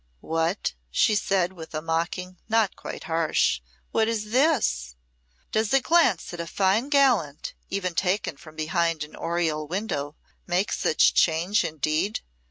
"What," she said, with a mocking not quite harsh "What is this? Does a glance at a fine gallant, even taken from behind an oriel window, make such change indeed?